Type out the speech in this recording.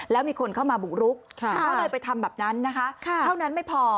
แล้วมีคนเข้ามาบุกรุกก็เลยไปทำแบบนั้นนะคะเท่านั้นไม่พอ